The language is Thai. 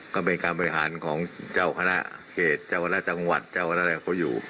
ก็เป็นการบริหารของเจ้าคณะเขตเจ้าคณะจังหวัดเจ้าคณะอะไรเขาอยู่